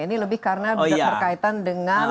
ini lebih karena bisa berkaitan dengan